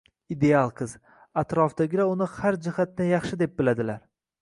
Ideal qiz. Atrofdagilar uni har jihatdan yaxshi deb biladilar.